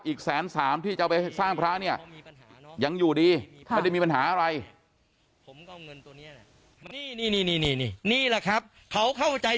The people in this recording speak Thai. อีกแสนสามที่จะเอาไปสร้างพระเนี่ยยังอยู่ดีไม่ได้มีปัญหาอะไร